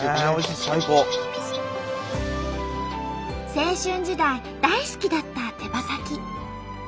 青春時代大好きだった手羽先。